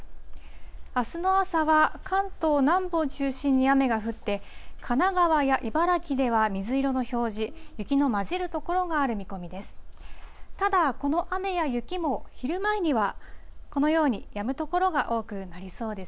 あすの朝は、関東南部を中心に雨が降って、神奈川や茨城では水色の表示、雪の交じる所がある見込みです。